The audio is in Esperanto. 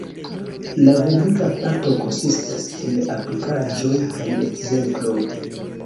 La venonta parto konsistas en aplikaĵoj kaj ekzemploj.